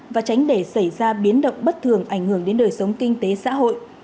và tránh để xảy ra biến động bất thường ảnh hưởng đến đời sống kinh tế xã hội